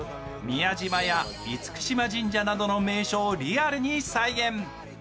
宮島や厳島神社などの名所をリアルに再現。